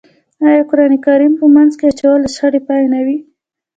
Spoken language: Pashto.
آیا قرآن کریم په منځ کې اچول د شخړې پای نه وي؟